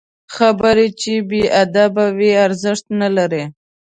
خبرې چې بې ادبه وي، ارزښت نلري